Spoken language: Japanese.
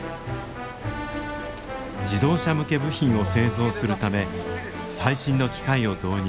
自動車向け部品を製造するため最新の機械を導入。